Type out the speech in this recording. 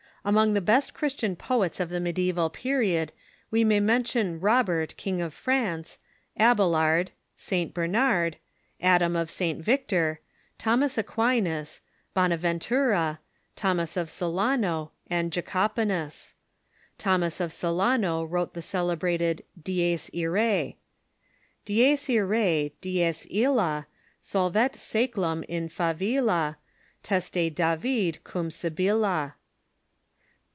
Among tha best Christian poets of the mediaeval period we may mention Robert, King of France, Abelard, St. Bernard, Adam of St. Victor, Thomas Aquinas, Bonaventura, Thomas of Celano, and Jacoponus. Thomas of Celano wrote the cele brated " Dies Ira3 :" "Dies irae, dies ilia, Solvet saeclum in favilla, Teste David cum Sibylla."